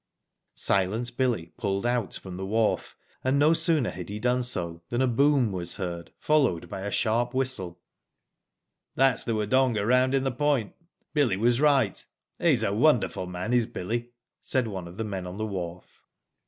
Silent Billy pulled out from the wharf, and no sooner had he done so than a boom was heard, followed by a sharp whistle. '* That's the Wodonga rounding the point. Billy was right. He*s a wonderful man is Billy," said one of the men on the wharf.